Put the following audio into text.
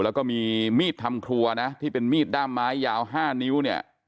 แล้วก็มีมีดทำครัวนะที่เป็นมีดด้ามไม้ยาว๕นิ้วเนี่ย